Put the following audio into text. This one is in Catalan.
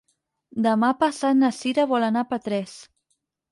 Demà passat na Cira vol anar a Petrés.